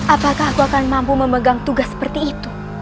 apakah aku akan mampu memegang tugas seperti itu